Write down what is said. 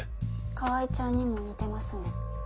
川合ちゃんにも似てますね。